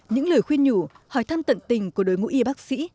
những lời khuyên nhủ hỏi thăm tận tình của đối ngũ y bác sĩ